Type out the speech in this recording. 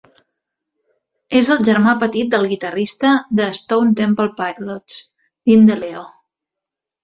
És el germà petit del guitarrista de Stone Temple Pilots, Dean DeLeo.